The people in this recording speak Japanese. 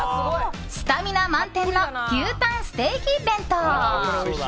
スタミナ満点の牛たんステーキ弁当。